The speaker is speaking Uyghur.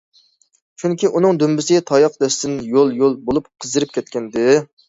چۈنكى ئۇنىڭ دۈمبىسى تاياق دەستىدىن يول- يول بولۇپ قىزىرىپ كەتكەنىدى.